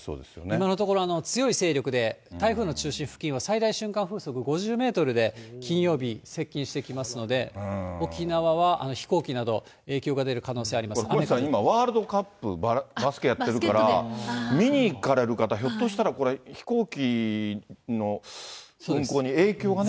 今のところ、強い勢力で台風の中心付近は最大瞬間風速５０メートルで、金曜日、接近してきますので、沖縄は飛行機など、小西さん、今、ワールドカップ、バスケやってるから、見に行かれる方、ひょっとしたらこれ、飛行機の運航に影響がね。